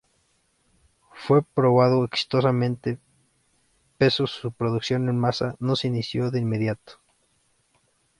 Fue probado exitosamente, peso su producción en masa no se inició de inmediato.